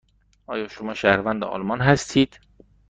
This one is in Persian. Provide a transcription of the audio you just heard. آیا شما شهروند آلمان هستید؟